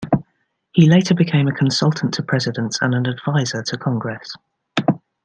He later became a consultant to presidents and an adviser to Congress.